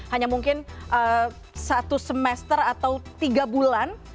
hanya mungkin satu semester atau tiga bulan